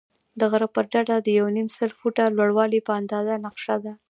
د غره پر ډډه د یو نیم سل فوټه لوړوالی په اندازه نقشه ده.